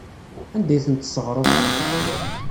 Anda ay ten-tesseɣreḍ?